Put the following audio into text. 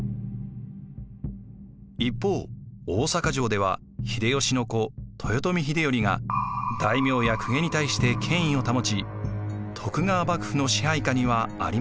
一方大坂城では秀吉の子豊臣秀頼が大名や公家に対して権威を保ち徳川幕府の支配下にはありませんでした。